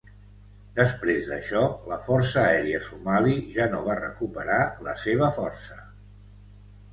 Després d'això la Força Aèria Somali ja no va recuperar la seva força.